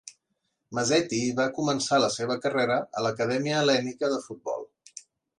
Maseti va començar la seva carrera a l'Acadèmia Hel·lènica de Futbol.